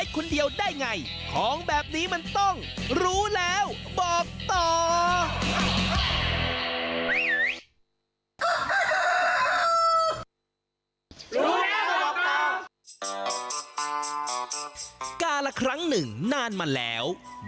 กาละครั้งหนึ่งนาและไว้